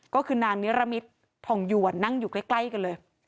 ก็คือนางนิรมิตผ่องหยวนนั่งอยู่ใกล้กันเลย